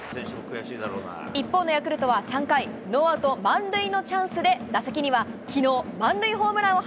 一方のヤクルトは３回、ノーアウト満塁のチャンスで、打席にはきのう満塁ホームランを